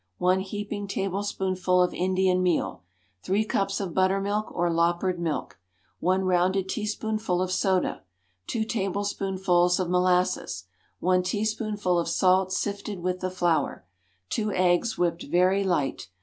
One heaping tablespoonful of Indian meal. Three cups of buttermilk, or loppered milk. One rounded teaspoonful of soda. Two tablespoonfuls of molasses. One teaspoonful of salt sifted with the flour. Two eggs whipped very light.